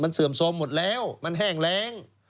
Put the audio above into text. เสื่อมโทรมหมดแล้วมันแห้งแรง